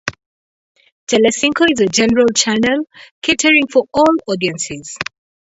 Telecinco is a general channel catering for all audiences.